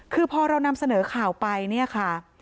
คือพอเรานำเสนอข่าวไปเนี่ยค่ะ